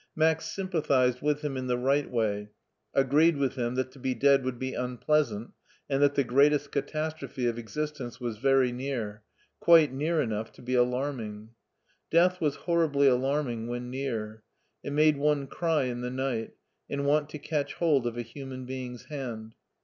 Max sympathized with him in the right way, agreed with him that to be dead would be unpleasant and that the greatest catastrophe of existence was very near, quite near enough to be alarming. Death was horribly alarming when near; it made one cry in the night, and want to catch hold of a human being's hand.